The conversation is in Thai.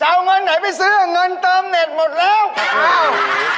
เจ้าเอาเงินไหนไปซื้อน่ะเงินเติมเน็ตหมดแล้ว